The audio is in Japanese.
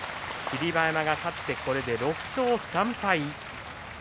霧馬山が勝ってこれで６勝３敗。